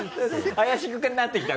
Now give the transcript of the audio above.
怪しくなってきた？